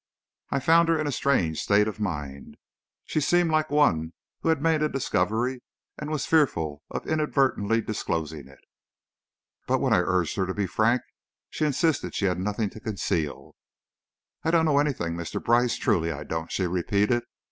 I found her in a strange state of mind. She seemed like one who had made a discovery, and was fearful of inadvertently disclosing it. But when I urged her to be frank, she insisted she had nothing to conceal. "I don't know anything, Mr. Brice, truly I don't," she repeated.